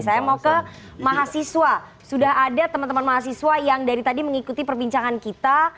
saya mau ke mahasiswa sudah ada teman teman mahasiswa yang dari tadi mengikuti perbincangan kita